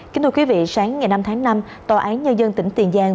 kính thưa quý vị sáng ngày năm tháng năm tòa án nhân dân tỉnh tiền giang